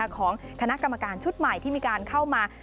ของคณะกรรมการชุดใหม่ที่มีการเข้ามา